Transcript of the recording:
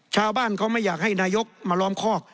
ชาวบ้านเขาไม่อยากให้นายกมาล้อมคอก